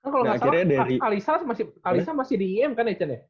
kan kalau gak salah kalisa masih di im kan echen ya